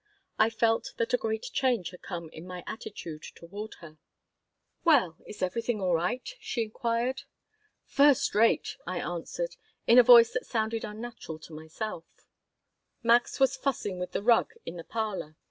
I felt that a great change had come in my attitude toward her "Well, is everything all right?" she inquired "First rate," I answered, in a voice that sounded unnatural to myself Max was fussing with the rug in the parlor.